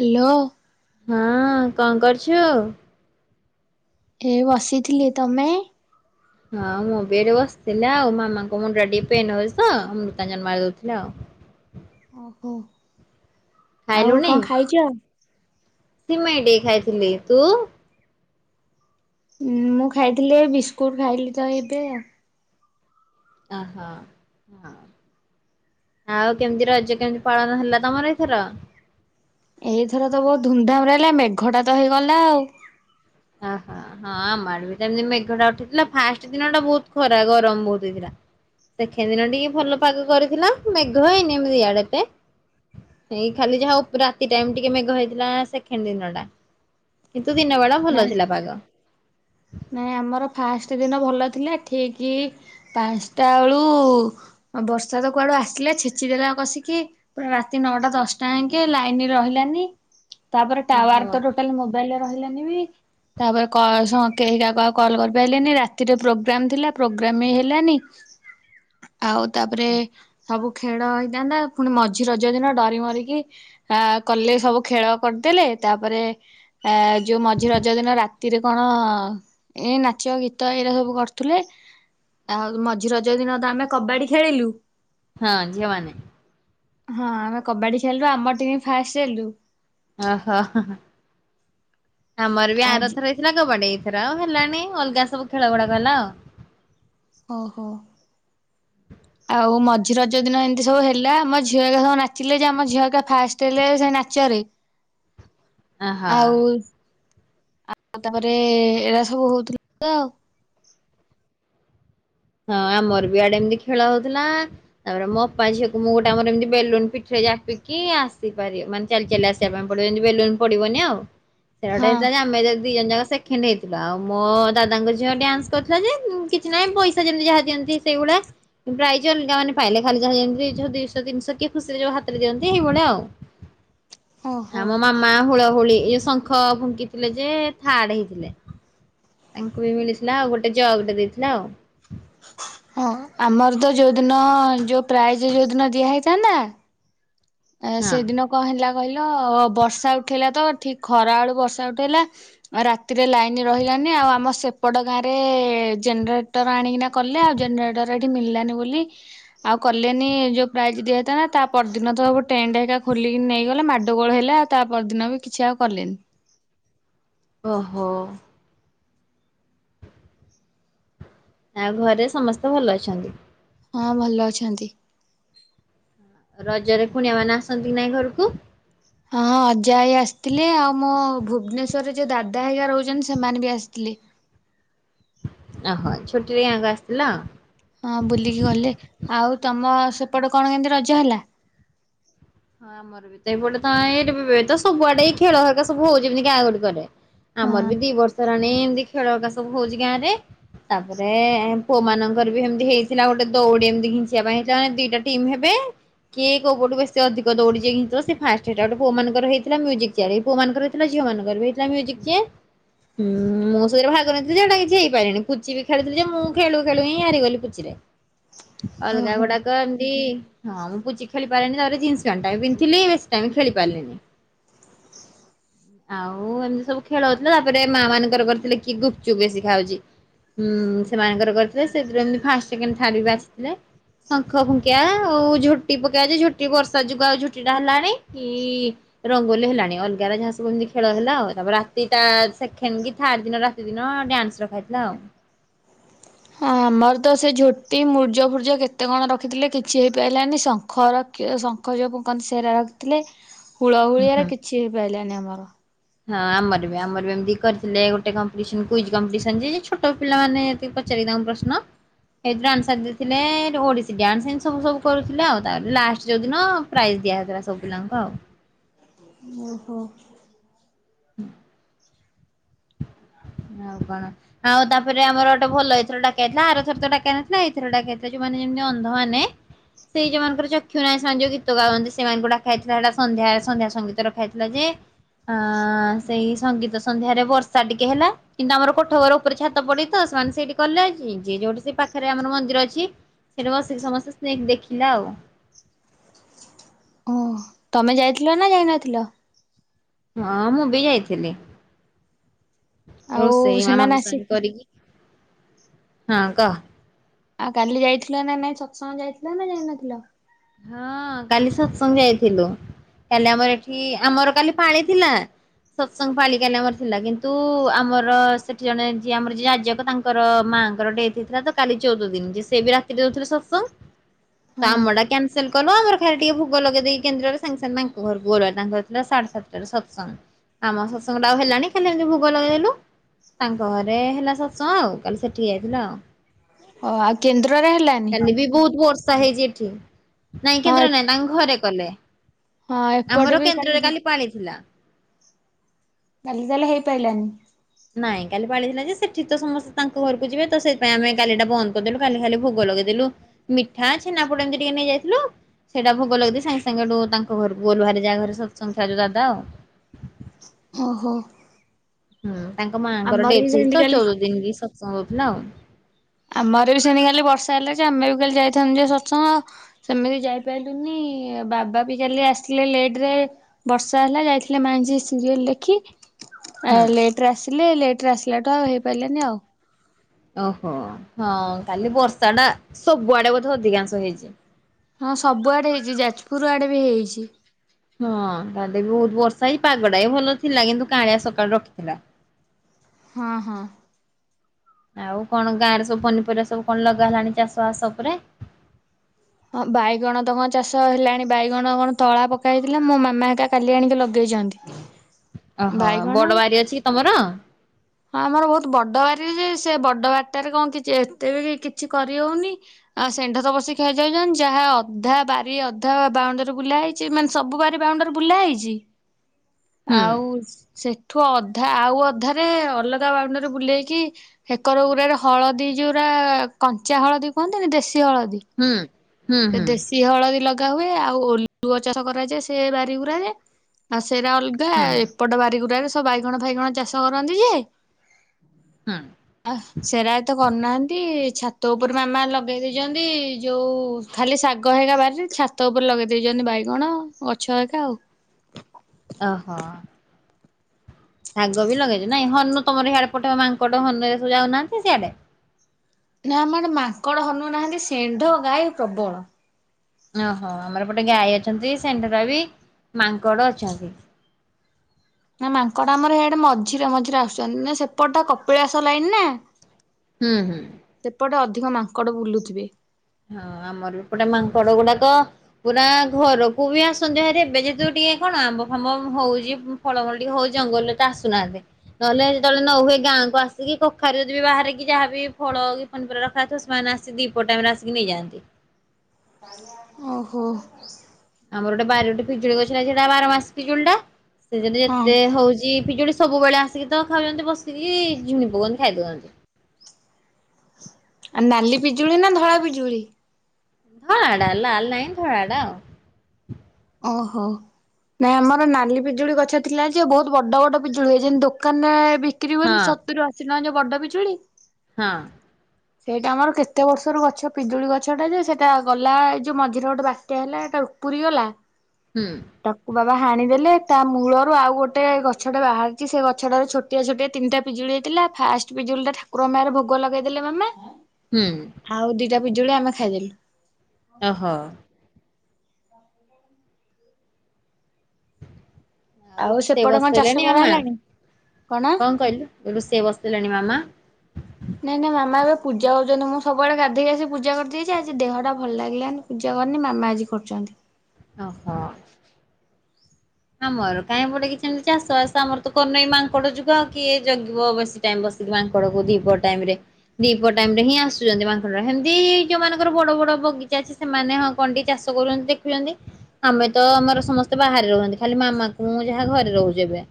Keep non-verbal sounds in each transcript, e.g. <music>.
Hello. ହଁ କଅଁ କରୁଛୁ? ଏ ବସିଥିଲି ତମେ? ହଁ ମୁଁ ବି ଏଠି ବସିଥିଲି ଆଉ ମାମାଙ୍କ ମୁଣ୍ଡା ଟିକେ ପେନ୍ ହଉଛି ତ ଅମୃତାଞ୍ଜନ ମାରି ଦଉଥିଲି ଆଉ। ଓହୋ ଆଉ ଖାଇଲୁଣି କଅଁ ଖାଇଛ? ସିମେଇ ଟିକେ ଖାଇଥିଲି। ତୁ? ଉ ମୁଁ ଖାଇଥିଲି ଏ ବିସ୍କୁଟ ଖାଇଲି ତ ଏବେ ଆଉ। ଆ ହ ହଁ। ଆଉ କେମିତି ରଜ କେମିତି ପାଳନ ହେଲା ତମର ଏଥର? ଏଇଥର ତ ବହୁତ ଧୁମଧାମରେ ହେଲା ମେଘଟା ତ ହେଇଗଲା ଆଉ। ଆ ହା। ହଁ ଆମର ବି ତ ଏମିତି ମେଘଟା ଉଠେଇଥିଲା ଫାଷ୍ଟ ଦିନ ଟା ବହୁତ ଖରା ଗରମ ବହୁତ ହେଇଥିଲା। ସେକେଣ୍ଡ ଦିନ ଟିକେ ଭଲ ପାଗ କରିଥିଲା। ମେଘ ହେଇନି ଏମିତି ଇଆଡ଼େ ଏତେ। ଏଇ ଖାଲି ଯାହା ରାତି ଟାଇମ ଟିକେ ମେଘ ହେଇଥିଲା ସେକେଣ୍ଡ ଦିନ ଟା। କିନ୍ତୁ ଦିନ ବେଳା ଭଲ ନାଇଁ ଥିଲା ପାଗ। ନାଇଁ ଆମର ଫାଷ୍ଟ ଦିନ ଭଲ ଥିଲା ଠିକ୍ ପାଞ୍ଚଟା ବେଳୁ ବର୍ଷା ତ କୁଆଡୁ ଆସିଲେ ଛେଚିଦେଲା କସିକି ପୁରା ରାତି ନଅଟା ଦଶଟା ଯାକେ ଲାଇନ ରହିଲାନି। ତାପରେ ଟାୱାର ଓହୋ। ତ ଟୋଟାଲ ମୋବାଇଲରେ ରହିଲାନି ବି ତାପରେ କଁ ସ କେହି କାକୁ ଆଉ କଲ୍ କରିପାରିଲାନି ରାତିରେ ପ୍ରୋଗ୍ରାମ ଥିଲା ପ୍ରୋଗ୍ରାମ ବି ହେଲାନି। ଆଉ ତାପରେ ସବୁ ଖେଳ ହେଇଥାନ୍ତା ପୁଣି ମଝି ରଜ ଦିନ ଡରି ମରିକି ଆ କଲେ ସବୁ ଖେଳ କରିଦେଲେ ତାପରେ ଆ ଯୋଉ ମଝି ରଜ ଦିନ ରାତିରେ କଣ ଏ ନାଚ ଗୀତ ଏଇରା ସବୁ କରୁଥିଲେ। ଆଉ ମଝି ରଜ ଦିନ ତ ଆମେ କବାଡ଼ି ଖେଳିଲୁ। ହଁ ଝିଅ ମାନେ। ହଁ ଆମେ କବାଡି ଖେଳିଲୁ ଆମ ଟିମ ଫାଷ୍ଟ ହେଲୁ। ଓହୋ ହଁ ହଁ ଆମର ବି ଆଉ ଆରଥର ହେଇଥିଲା କବାଡ଼ି ଏଇଥର ଆଉ ହେଲାଣି ଅଲଗା ସବୁ ଖେଳ ଗୁଡ଼ାକ ହେଲା ଆଉ। ଓହୋ। <inaudible> ଆଉ ମଝି ରଜ ଦିନ ଏମିତି ସବୁ ହେଲା ଆମ ଝିଅ ହାରିକା ସବୁ ନାଚିଲେ ଯେ ଆମ ଝିଅ ହାରିକା ଫାଷ୍ଟ ହେଲେ ସେ ନାଚରେ। <inaudible> ଅହ ଆଉ ଆଉ ତାପରେ ଏଗୁଡ଼ା ସବୁ ହଉଥିଲା ତ ଆଉ। ହଁ ଆମର ବି ଇଆଡ଼େ ଏମିତି ଖେଳ ହଉଥିଲା। ତାପରେ ମୋ ଅପା ଝିଅକୁ ମୁଁ ଗୋଟେ ଆମର ଏମିତି ବେଲୁନ ପିଠିରେ ଜାପିକି ଆସିପାରିବ ମାନେ ଚାଲି ଚାଲି ଆସିବା ପାଇଁ ପଡ଼ିବ ଯେମିତି ବେଲୁନ ପଡିବନି ଆଉ। ସେଇଟା ଗୋଟେ ହେଇଥିଲା ଯେ ଆମେ ଦି ଜଣ ଯାକ ସେକେଣ୍ଡ ହେଇଥିଲୁ ଆଉ ମୋ ଦାଦାଙ୍କ ଝିଅ ଡ୍ୟାନ୍ସ କରିଥିଲା ଯେ କିଛି ନାହିଁ ପଇସା ଯେମିତି ଯାହା ଦିଅନ୍ତି ସେଇଭଳିଆ ପ୍ରାଇଜ୍ ଅଲଗା ମାନେ ପାଇଲେ ଖାଲି ଯୋଉ ଏମିତି ଦୁଇଶହ ତିନିଶହ କିଏ ଖୁସିରେ ଯୋଉ ହାତରେ ଦିଅନ୍ତି ଏହିଭଳି ଆଉ। ହଁ <inaudible> ଓହୋ ଆମ ମାମା ହୁଳହୁଳି ଏଇ ଶଙ୍ଖ ଫୁଙ୍କିଥିଲେ ଯେ ଥାର୍ଡ଼ ହେଇଥିଲେ। ତାଙ୍କୁ ବି ମିଳିଥିଲା ଆଉ ଗୋଟେ ଜଗ ଟେ ଦେଇଥିଲା ଆଉ। ହଁ ଆମର ତ ଯୋଉଦିନ ଯୋଉ ପ୍ରାଇଜ୍ ଯୋଉ ଦିନ ଦିଆହେଇଥାନ୍ତ ଏ ହଁ। ସେଦିନ କଣ ହେଲା କହିଲ ବର୍ଷା ଉଠେଇଲା ତ ଠିକ୍ ଖରା ବେଳୁ ବର୍ଷା ଉଠେଇଲା। ରାତିରେ ଲାଇନ୍ ରହିଲାନି ଆଉ ଆମ ସେପଟ ଗାଁରେ ଜେନେରେ ଟର ଆଣିକିନା କଲେ ଆଉ ଜେନେରେଟର ଏଠି ମଳିଲାନି ବୋଲି ଆଉ କଲେନି ଯୋଉ ପ୍ରାଇଜ୍ ଦିଆହଇଥାନ୍ତା ତା ପରଦିନ ତ ସବୁ ଟେଣ୍ଟ ହେରିକା ଖୋଲିକି ନେଇ ଗଲେ ମାଡଗୋଳ ହେଲା ଆଉ ତା ପରଦିନ ବି କିଛି ଆଉ କଲେନି। ଓହୋ। ଆଉ ଘରେ ସମସ୍ତେ ଭଲ ଅଛନ୍ତି? ହଁ ଭଲ ଅଛନ୍ତି। ରଜରେ କୁଣିଆ ମାନେ ଆସନ୍ତି କି ନାଇଁ ଘରକୁ? ହଁ ଅଜା ଆଈ ଆସିଥିଲେ ଆଉ ମୋ ଭୁବନେଶ୍ ଶ୍ୱରରେ ଯୋଉ ଦାଦା ହେରିଗା ରହୁଛନ୍ତି ସେମାନେ ବି ଆସିଥିଲେ। ଓହୋ ଛୁଟିରେ ଗାଁକୁ ଆସିଥିଲା ଆଉ। ହଁ ବୁଲିକି ଗଲେ ଆଉ। ତମ ସେପଟ କଣ କେମିତି ରଜ ହେଲା? ହଁ ଆମର ବି ତ ଏପଟେ ତ ଏଇ ତ ସବୁଆଡେଇ ଖେଳ ଘରିକା ସବୁ ହଉଚି ଗାଁ ଗୁଡିକରେ ଆମର ହଁ ବି ଦି ବର୍ଷ ହେଲାଣି ଏମିତି ଖେଳ ହେକା ସବୁ ହଉଛି ଗାଁ ରେ ତାପରେ ପୁଅ ମାନଙ୍କର ବି ଏମିତି ହେଇଥିଲା ଗୋଟେ ଦୌଡି ଏମିତି ଘିଞ୍ଚିବା ପାଇଁ ହେଇନା ଦିଟା ଟିମ୍ ହେବେ କିଏ କୋଉ ପଟକୁ ବେ ସେ ଅଧିକ ଦୌଡ଼ି ଘିଞିବ ସେ ଫାଷ୍ଟ ହେଇଟ ଗୋଟେ ପୁଅମାନରଇ ମ୍ୟୁଜିକ ଚେଆର ପୁଅମାନଙ୍କର ହେଇଥିଲା ଝିଅମାନଙ୍କର ବି ସେ ମ୍ୟୁଜିକ୍ <unintelligible> ହୁଁ ମୁଁ ସେଥିରେ ଭାଗ ନେଇଥିଲି ଯେ ସେଟା କିଛି ହେଇପାରିଲିନି ପୁଚିରୁ ବି ଖେଳୁଥିଲେ ଯେ ମୁଁ ଖେଳୁ ଖେଳୁ ହିଁ ହାରିଗଲି ପୁଚିରେ। ଅଲଗା ଓହୋ। ଗୁଡାକ ଏମିତି ହଁ ମୁଁ ପୁଚି ଖେଳି ପାରେନି ତା ଜିନସ୍ ଣ୍ଟା ବି ପିନ୍ଧିଥିଲି ବେଶି ଟାଇମ୍ ଖେଳି ପାରିଲିନି। ଆଉ ଏମିତି ସବୁ ଖେଳ ହଉଥିଲା ତାପରେ ମା ମାନଙ୍କର କରିଥିଲେ କି ଗୁପଚୁପ୍ ବେଶୀ କିଏ ଖାଉଛି। ହୁଁ ସେମାନଙ୍କର କରିଥିଲେ ସେଥିରେ ବି ଫାଷ୍ଟ୍ ସେକେଣ୍ଡ ଥାର୍ଡ ବାଛିଥିଲେ। ଶଙ୍ଖ ଫୁଙ୍କିଆ ଆଉ ଝୋଟି ପକେଇଆ ଝୋଟି କେ ବର୍ଷା ଯୁଗ ଆଉ ଝୁଟି ଟା ହେଲାଣି କି ରଙ୍ଗୋଲି ହେଲାଣି ଅଲଗାରା ଯାହା ସବୁ ଏମିତି ଖେଳ ହେଲା ଆଉ ତା ରାତି ତା ସେକେଣ୍ଡ କି ଥାର୍ଡ ଦିନ ରା ସେଦିନ ଡ୍ୟାନ୍ସ ରଖାଯାଇଥିଲା ଆଉ। ହଁ ଆମର ତ ସେ ଝୋଟି ମୁର୍ଜ ଫୁର୍ଜ କେତେ କଣ ରଖିଥିଲେ କିଛି ହେଇପାରିଲାନି ଶଙ୍ଖର ଶଙ୍ଖ ଯୋଉ ଫୁଙ୍କନ୍ତି ସେରା ରଖିଥିଲେ ହ। ହୁଳହୁଳି ଆରେ କିଛି ହେଇ ପାଇଲାନି ଆମର। ହଁ ଆମର ବି ଆମର ବି ଏମିତି କରିଥିଲେ ଗୋଟେ କମ୍ପିଟିସନ୍ କୁଇଜ୍ ଯେ ଛୋଟ ପିଲାମାନେ କି ପଚାରିବ ତାଙ୍କୁ ପ୍ରଶ୍ନ ଏଇଥିରୁ ଆନ୍ସାର ଦେଇଥିଲେ ଓଡ଼ିଶୀ ଡ୍ୟାନ୍ସ ଏନ୍ ସବୁ ସବୁ କରୁଥିଲେ ଆଉ ତାପରେ ଲାଷ୍ଟ ଯୋଉଦିନ ପ୍ରାଇଜ୍ ଦିଆହେଉଥିଲା ସବୁ ପିଲାଙ୍କୁ ଆଉ। ଓ ହୋ। ହୁଁ। ଆଉ ବା ଆଉ ତାପରେ ଆମର ଗୋଟେ ଭଲ ଏଥର ଡାକି ହେଇଥିଲା ଆରଥର ତ ଡାକି ହେଇ ନଥିଲା ଏଇଥର ଡାକ ହେଇଥିଲା ଯୋଉମାନେ ଯେମିତି ଅନ୍ଧମାନେ ସେଇ ଯୋଉମାନଙ୍କ ଚକ୍ଷୁ ନାହିଁ ସେମାନେ ଯୋଉ ଗୀତ ଗାଉନ୍ତି ସେମାନଙ୍କୁ ଡକାହେଇଥିଲା ସେଟା ସନ୍ଧ୍ୟା ସନ୍ଧ୍ୟା ସଙ୍ଗୀତ ରଖାହେଇଥିଲା ଯେ ଅ ସେଇ ସଙ୍ଗୀତ ସନ୍ଧ୍ୟାରେ ବର୍ଷା ଟିକେ ହେଲା। କିନ୍ତୁ ଆମର କୋଠ ଘର ଉପରେ ଛାତ ପଡ଼ିଛି ତ ସେମାନେ ସେଇଠି କଲେ ଯୋଉଠି ସେ ପାଖରେ ଆମର ମନ୍ଦିର ଅଛି। ସେଠି ବସିକି ସମସ୍ତେ ସ୍ନେକ୍ ଦେଖିଲା ଆଉ। ଓ ତମେ ଯାଇଥିଲ ନା ଯାଇନଥିଲ? ହଁ ମୁଁ ବି ଯାଇଥିଲି ଆଉ ରୋଷେଇ ମାମା ସେମାନେ ଙ୍କ ଆସି ସାଙ୍ଗେ କରିକି। ହଁ କହ? ଆଉ କାଲି ଯାଇଥିଲ ନା ନାଇଁ ସତସଙ୍ଗ୍ ଯାଇଥିଲ ନା ଯାଇନଥିଲ? ହଁ କାଲି ସତସଙ୍ଗ୍ ଯାଇଥିଲୁ। କାଲି ଆମର ଏଠି ଆମର କାଲି ପାଳି ଥିଲା। ସତସଙ୍ଗ୍ ପାଲି କାଲି ଆମର ଥିଲା କିନ୍ତୁ ଆମର ସେଠି ଜଣେ ଯିଏ ଆମର ଯିଏ ରାଜକ ତାଙ୍କ ତାଙ୍କର ମାଆଙ୍କର ଡେଥ୍ ହେଇଥିଲା ତ କାଲି ଚଉଦ ଦିନ ଯେ ସେ ବି ରାତିରେ ରହୁଥିଲେ ସତସଙ୍ଗ୍। ହଁ <unintelligible> ସେ କଲୁ ଆମର ଖାଲି ଟିକେ ଭୋଗ ଲଗେଇ ଦେଇକି କେନ୍ଦ୍ରରେ ସାଙ୍ଗ ସାଙ୍ଗ ତାଙ୍କ ଘରକୁ ଗଲ ତାର ଥିଲା <unintelligible> ସତସଙ୍ଗ୍। ଆମ ସତସଙ୍ଗ୍ ତ ଆଉ ହେଲାନି ଖାଲିଏମିତି ଭୋଗ ଲଗେଇଦଲୁ। ତାଙ୍କ ଘରେ ହେଲା ସତସଙ୍ଗ୍ ଆଉ କାଲି ସେଠିକି ଯାଇଥିଲୁ ଆଉ। ଓ ଆଉ କେନ୍ଦ୍ରରେ ହେଲାନି? କାଲି ବି ବହୁତ୍ ବର୍ଷା ହେଇଛି ଏଠି। ନାଇଁ ହଁ କେନ୍ଦ୍ର ନାଇଁ ତାଙ୍କ ଘରେ କଲେ ହଁ ଏପଟେ ଆମର ବି କେନ୍ଦ୍ରରେ କାଲି ପାଳି ଥିଲା। କାଲି ହେଇପାରିଲାନି। ନାଇଁ କାଲି ପାଳିଥିଲା ଯେ ସେଠି ତ ସମସ୍ତେ ତାଙ୍କ ଘରକୁ ଯିବେ ତ ସେଥିପାଇଁ ଆମେ କାଲିଟା ବନ୍ଦ କରିଦେଲୁ। କାଲି ଖାଲି ଭୋଗ ଲଗେଇଦେଲୁ ମିଠା ଛେନା ପୋଡ଼ ଏମିତି ଟିକେ ନେଇଯାଇଥିଲୁ। ସେଇଟା ଭୋଗ ଲାଗି ସାଙ୍ଗେ ସାଙ୍ଗେ ହେଠୁ ତାଙ୍କ ଘରକୁ ଗଲୁ ହେରି ଯାହା ଘରେ ସତସଙ୍ଗ୍ <unintelligible> ଓ ହୋ। ହୁଁ ତାଙ୍କ ମାଆ ଙ୍କର ବି ଡେଥ୍ ହେଇଛି ସେମିତି ତ କାଲି ଚଉଦ ଦିନରେ ସତସଙ୍ଗ୍ ହଉଥିଲା ଆଉ। ଆମର ବି ସେମିତି କାଲି ବର୍ଷା ହେଲା ଯେ ଆମେ ବି କାଲି ଯାଇଥାନ୍ତୁ ଯେ ସତସଙ୍ଗ୍ ସେମିତି ଯାଇପାରିଲୁନି ବାବା ବି କାଲି ଆସିଥିଲେ ଲେଟ୍ ରେ। ବର୍ଷା ହେଲା ଯାଇଥିଲେ <unintelligible> ସିରିଏଲ ଦେଖି। ଆ ହୁଁ। ଲେଟ୍ ରେ ଆସିଲେ ଲେଟ୍ ରେ ଆସିଲାଠୁ ଆଉ ହେଇପାରିଲାନି ଆଉ। ଓ ହୋ ହଁ କାଲି ବର୍ଷା ଟା ସବୁଆଡ଼େ ବୋଧେ ଅଧିକାଂଶ ହେଇଛି। ହଁ ସବୁଆଡ଼େ ହେଇଛି ଯାଜପୁର ଆଡ଼େ ବି ହେଇଛି। ହଁ ତାହେଲେ ବି ବହୁତ୍ ବର୍ଷା ହେଇଛି ପାଗଟା ବି ଭଲ ଥିଲା କିନ୍ତୁ କାଁଳିଆ ସକାଳୁ ରଖିଥିଲା। ହଁ ହଁ। ଆଉ କଣ ଗାଁ ରେ ସବୁ ପନିପରିବା ସବୁ କଣ ଲଗା ହେଲାଣି ଚାଷ ବାସ ଉପରେ। ହଁ ବାଇଗଣ ତ କଣ ଚାଷ ହେଲାଣି ବାଇଗଣ କଣ ତଳା ପକା ହୋଇଥିଲା ମୋ ମାମା ଏକା କାଲି ଆଣିକି ଲଗେଇଛନ୍ତି। ଓ ହୋ ବାଇଗଣ ବଡ଼ ବାରି ଅଛି କି ତମର? ହଁ ଆମର ବହୁତ୍ ବଡ଼ ବାରି ଯେ ସେ ବଡ଼ ବାରିଟାରେ କଣ କିଛି ଏତେ ବି କିଛି କରିହେଉନି। ଆ ଷେଣ୍ଢ ତ ପସିକି ଖା <unintelligible> ଯାହା ଅଧା ବାରି ଅଧା ବାଉଣ୍ଡେରୀ ବୁଲା ହେଇଛି ମାନେ ସବୁ ବାରି ବାଉଣ୍ଡରୀ ବୁଲା ହେଇଛି। ହ ଆଉ ସେଠୁ ଅଧା ଆଉ ଅଧାରେ ଅଲଗା ବାଉଣ୍ଡିରି ରେ ବୁଲେଇକି ହେରକ ଗୁଡା଼ରେ ହଳଦୀ ଯୋଉାରା କଞ୍ଚା ହଳଦୀ କୁହନ୍ତିନି ଦେଶୀ ହଳଦୀ। ହୁଁ ହୁଁ ହୁଁ ସି ହଳଦୀ ଲଗା ହୁଏ ଆଉ ଓଲୁଓ ଚାଷ କରାଯାଏ ସେ ବାରିଗୁୁରାରେ ଆଉ ସେଇଟା ଅଗ ହୁଁ ଏପଟ ବାରିଗୋରାରେ ସବୁ ବାଇଗଣ ଫାଇଗଣ ଚାଷ କରନ୍ତି ଯେ ହୁଁ। ଆ ସେରା ଏ ତ କରୁନାହାନ୍ତି ଛାତ ଉପରେ ମାମା ଲଗେଇ ଦେଇେଇଛନ୍ତି ଯୋଉ ଖାଲି ଶାଗ ହେ ଏକା ବାରିରେ ଛାତ ଉପରେ ଲଗେଇ ଦେଇେଇଛନ୍ତି ବାଇଗଣ ଗଛ ହେ ଏକା ଆଉ। ଓହୋ। ଶାଗ ବି ଲଗେଇଛି ନାଇଁ ହନୁ ତମର ଇଆଡେ ପଠେଇବା ମାଙ୍କଡ ହନ ଏସୁ ଯାଉନାହାନ୍ତି ସିଆଡେ? ନା ଆମଡେ ମାଙ୍କଡ ହନୁ ନାହାନ୍ତି ସେଣ୍ଢ ଗାଈ ପ୍ରବଳ। ଓହୋ ଆମର ପଟେ ଗାଈ ଅଛନ୍ତି ସେଣ୍ଡର ବି ମାଙ୍କଡ ଅଛନ୍ତି। ନା ମାଙ୍କଡା ଆମର ସେଇଆଡେ ମଝିରେ ମଝିରେ ଆସୁଛନ୍ତି ନା ସେପଟା କପିଳାସ ଲାଇନ ନା। ହୁଁ ହୁଁ। ସେପଟେ ଅଧିକ ମାଙ୍କଡ଼ ବୁଲୁଥିବେ। ହଁ ଆମର ବି ଏପଟେ ମାଙ୍କଡ ଗୁଡାକ ପୁରା ଘରକୁ ବି ଆସନ୍ତିୁ ଭରେ ଏବେ ଯେହେତୁ ଟିକେ କଣ ଆମ୍ବ ଫାମ୍ବ ହଉଛି। ଫଳମଳ ଟିକେ ହଉଛି ଜଙ୍ଗଲରେ ତ ଆସୁନାହାନ୍ତି। ନହେଲେ ଯେତେବେଳେ ନ ହୁଏ ଗାଁ କୁ ଆସିକି କଖାରୁ ଯଦି ବାହାରିକି ଯାହାବି ଫଳ। ପନିପରିବା ରଖାହୋଇଥିବ ସେମାନେ ଆସିିକ ଦିପପହର ଟାଇମ୍ ଆସିକି ନେଇଯାଆନ୍ତି। ଓହୋ। ଆମର ଗୋଟେ ବାରି ଗୋଟେ ପିଜୁଳି ଗଛ ନା ସେଟା ବାର ମାସ ପିଜୁଳିଟା ସେ ହଁ ଯେତେ ହଉଛି ପିଜୁଳି। ସବୁବେଳେ ଆସିକି ତ ଖାଉଛନ୍ତି ବସିକି ଝୁଣି ପକାନ୍ତି ଖାଇଦଉନ୍ତି। ଆଉ ନାଲି ପିଜୁଳି ନା ଧଳା ପିଜୁଳି? ହଁ ଆଡା ଲାଲ ନାହିଁ ଥା ଆଡାଉ। <unintelligible> ଓହୋ। ନାଇଁ ଆମର ନାଲି ପିଜୁଳି ଗଛ ଥିଲା ଯେ ବହୁତ ବଡ ବଡ ପିଜୁଳି ହୁଏ ଯେମିତି ଦୋକାନରେ ବିକିରି ହୁଏନି ହଁ ସତୁରି ଅଶି ନ ବଡ ପିଜୁଳି। ହଁ। ସେଇଟା ଆମର କେତେ ବର୍ଷର ଗଛ ପିଜୁଳି ଗଛଟା ଯେ ସେଇଟା ଗଲା ଏଇ ଯୋଉ ମଝିରେ ଗୋଟେ ବାତ୍ୟା ହେଲା ଏଇଟା ଉପୁରୀ ଗଲା। ହୁଁ। ତାକୁ ବାବା ହାଣିଦେଲେ ତା ମୂଳରୁ ଆଉ ଗୋଟେ ଗଛଟେ ବାହାରିଛି ସେ ଗଛଟାରେ ଛୋଟ ଛୋଟିଆ ଛୋଟିଆ ତିନିଟା ପିଜୁଳି ହେଇଥିଲା ଫାଷ୍ଟ୍ ପିଜୁଳିଟା ଠାକୁରଙ୍କ ପାଖରେ ଭୋଗ ଲଗେଇ ଦେଲେ ମାମା। ହୁଁ। ଆଉ ଦି ଟା ପିଜୁଳି ଆମେ ଖାଇଦେଲୁ। ଓହୋ। <unintelligible> ଆଉ ରୋଷେଇ ସେପଟେ କଣ ଚାଷ ବସେଇଲେଣି ମାମା କରାହେଲାଣି କଣ କହିଲୁ ରୋଷେଇ ବସେଇଲେଣି ମାମା। <unintelligible> ନାଇଁ ନାଇ ମାମା ଏବେ ପୂଜା କରୁଚନ୍ତି ମୁଁ ସବୁବେଳେ ଗାଧୋଇକି ଆସି ପୂଜା କରିଦିଏ ଯେ ଆଜି ଦେହଟା ଭଲ ଲାଗିଲାନି ପୂଜା କରିନି ମାମା ଆଜି କରୁଚନ୍ତି। ଓହୋ। ଆମର କାହିଁ ଏପଟେ କିଛି ଏମିତି ଚାଷ ବାସ ଆମର ତ କରନହିଁ ମାଙ୍କଡ ଯୁଗ ଆଉ କିଏ ଜଗିବ ବସି। ଟାଇ ବସିି ମାଙ୍କଡକୁ ଦିପହର ଟାଇମ୍ ରେ ଦ୍ବିପହର ଟାଇମରେ ହିଁ ଆସୁଚନ୍ତି ମାଙ୍କଡଗୁଡା ସେମିତି ଯୋଉମାନଙ୍କର ବଡ ବଡ ବଗିଚା ଅଛି। ସେମାନେ ହଁ କଣଟି ଚାଷ କରୁଚନ୍ତି ଦେଖୁଛନ୍ତି ଆମେ ତ ଆମର ସମସ୍ତେ ବାହାରେ ରୁହନ୍ତି। ଖାଲି ମାମାକୁ ମୁଁ ଯାହା ଘରେ ରହୁଚୁ ଏବେ।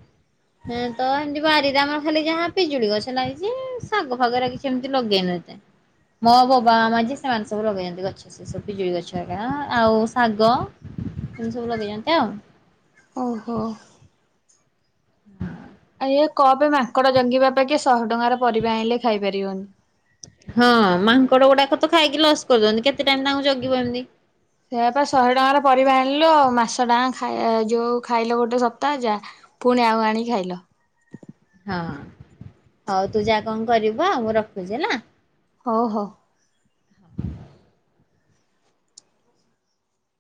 ହଁ ତ ଏମିତି ବାରିରେ ଆମର ଖାଲି ଯାହା ପିଜୁଳି ଗଛ ଲାଗିଛି ଶାଗ ଫାଗ ଏଗୁରା କିଛି କେମିତି ଲଗେଇନୁ ଏତେ ମୋ ବୋବା ମାମା ଯିଏ ସେମାନେ ସବୁ ଲଗେଇଛନ୍ତି ଗଛ। ସେ ସବୁ ପିଜୁଳି ଗଛ ହେକା ଆଁ ଆଉ ଶାଗ ଏମିତି ସବୁ ଲଗେଇଚନ୍ତି ଆଉ। ଓହୋ। <unintelligible> ଆଉ ଏଇଆ କପେ ମାଙ୍କଡ ଜଗିବା ଅପେକ୍ଷା ଶହେ ଟଙ୍କାର ପରିବା ଆଣିଲେ ଖାଇପାରିବନି। ହଁ ମାଙ୍କଡ ଗୁଡାକ ତ ଖାଇକି ଲସ୍ କରୁଚନ୍ତି କେତେ ଟାଇମ୍ ତାଙ୍କୁ ଜଗିବ ଏମତି। ସେଇଆ ପା ଶହେ ଟଙ୍କାର ପରିବା ଆଣିଲ ମାସଟା ଯାକ ଖାଇ ଯୋଉ ଖାଇଲ ଗୋଟେ ସପ୍ତାହ ଯା। ପୁଣି ଆଉ ଆଣିକି ଖାଇଲ। ହଁ ହଉ ତୁ ଯା କଣ କରିବୁ ଆଉ ମୁଁ ରଖୁଛି ହେଲା। ହଉ ହଉ।